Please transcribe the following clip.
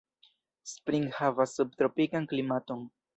Springs havas subtropikan klimaton.